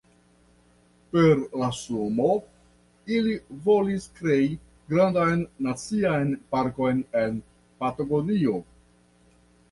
Per la sumo ili volis krei grandan nacian parkon en Patagonio.